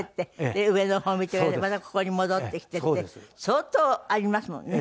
で上の方見てまたここに戻ってきてって相当ありますもんね。